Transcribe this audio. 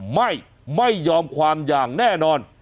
ไม่ยอมความอย่างแน่นอน